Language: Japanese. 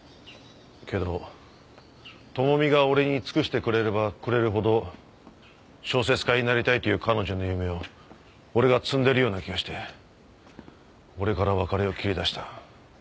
けど智美が俺に尽くしてくれればくれるほど小説家になりたいという彼女の夢を俺が摘んでるような気がして俺から別れを切り出した。